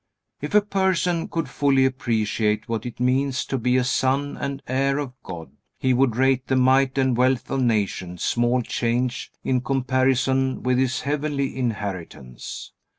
If a person could fully appreciate what it means to be a son and heir of God, he would rate the might and wealth of nations small change in comparison with his heavenly inheritance.